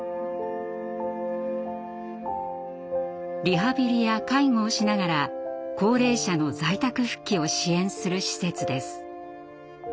リハビリや介護をしながら高齢者の在宅復帰を支援する施設です。